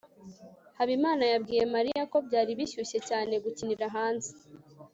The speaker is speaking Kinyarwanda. habimana yabwiye mariya ko byari bishyushye cyane gukinira hanze